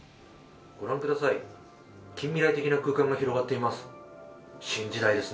御覧ください、近未来的な空間が広がっています。